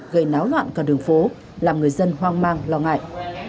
gây náo loạn cả đường phố làm người dân hoang mang lo ngại